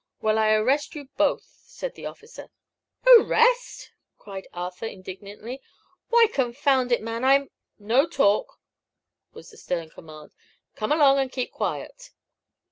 "Well, I arrest you both," said the officer. "Arrest!" cried Arthur, indignantly; "why, confound it, man, I'm " "No talk!" was the stern command. "Come along and keep quiet."